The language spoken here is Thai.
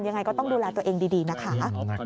ยังไงก็ต้องดูแลตัวเองดีนะคะ